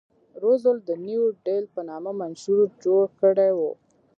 روزولټ د نیو ډیل په نامه منشور جوړ کړی و.